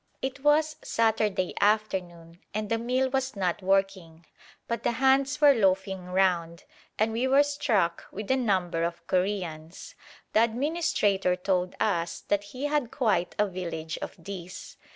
It was Saturday afternoon and the mill was not working, but the "hands" were loafing round, and we were struck with the number of Koreans. The administrator told us that he had quite a village of these.